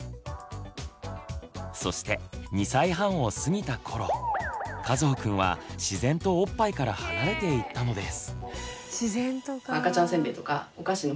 そして２歳半を過ぎたころかずほくんは自然とおっぱいから離れていったのです。